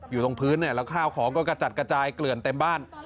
อยู่ตรงพื้นเนี่ยแล้วข้าวของก็กระจัดกระจายเกลื่อนเต็มบ้าน